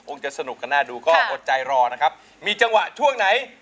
จะสนุกกันน่าดูก็อดใจรอนะครับมีจังหวะช่วงไหน